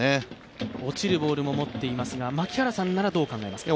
落ちるボールも持っていますが、槙原さんならどう考えますか？